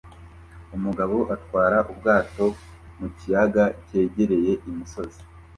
Umugabo atwara ubwato mu kiyaga cyegereye imisozi